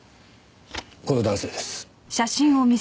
この男性です。